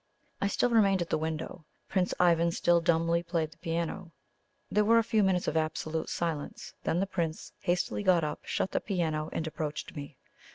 I still remained at the window. Prince Ivan still dumbly played the piano. There were a few minutes of absolute silence. Then the Prince hastily got up, shut the piano, and approached me.